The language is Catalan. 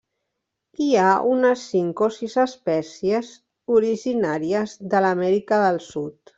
Hi ha unes cinc o sis espècies originàries de l'Amèrica del Sud.